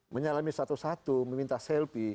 menyalami satu satu meminta selfie